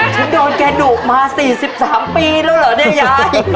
ฉันโดนแกดุมา๔๓ปีแล้วเหรอเนี่ยยาย